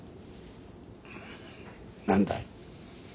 何だい？